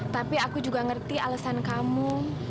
tapi aku juga ngerti alasan kamu